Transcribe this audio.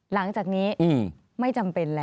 หลังจากนี้ไม่จำเป็นแล้ว